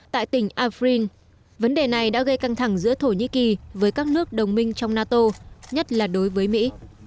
tại tỉnh afrin vấn đề này đã gây căng thẳng giữa thổ nhĩ kỳ với các nước đồng minh trong nato nhất là đối với mỹ